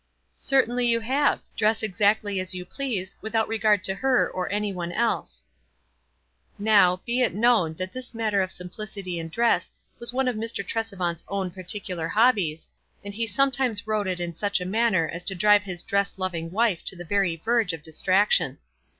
" Certainly you have. Dress exactly as you please, without regard to her or any one else." WISE AND OTHERWISE. 39 Now, be it known that this matter of simplic ity in dress was one of Mr. Tresevant's own par ticular hobbies, and he sometimes rode it in such a manner as to drive his dress loving wife to the very verge of distraction.